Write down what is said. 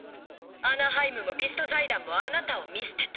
「アナハイム」も「ビスト財団」もあなたを見捨てた。